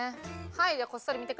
はい。